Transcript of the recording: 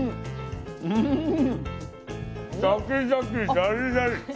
シャキシャキシャリシャリ。